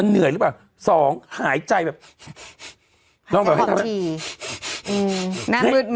มันเหนื่อยหรือเปล่าสองหายใจแบบหายใจขอบทีอืมน่ามืดไหม